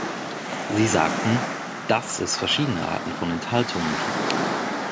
Sie sagten, dass es verschiedene Arten von Enthaltungen gibt.